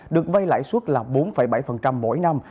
được vây lại suốt là bốn bảy mỗi năm